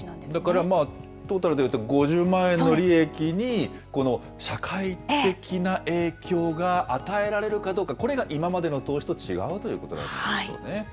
だからトータルでいうと、５０万円の利益に、この社会的な影響が与えられるかどうか、これが今までの投資と違うということなんですよね。